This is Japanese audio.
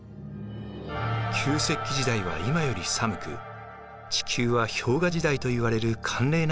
旧石器時代は今より寒く地球は氷河時代といわれる寒冷な時代でした。